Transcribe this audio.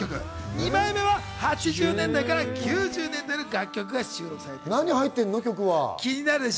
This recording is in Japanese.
２枚目は８０年代から９０年代の楽曲が収録されているんです。